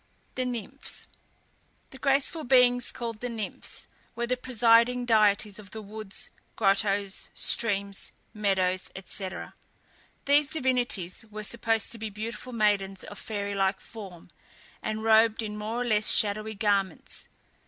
THE NYMPHS. The graceful beings called the Nymphs were the presiding deities of the woods, grottoes, streams, meadows, &c. These divinities were supposed to be beautiful maidens of fairy like form, and robed in more or less shadowy garments.